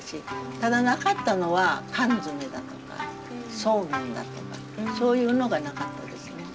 ただなかったのは缶詰だとかそうめんだとかそういうのがなかったですね。